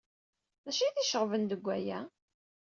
D acu ay t-iceɣben deg waya?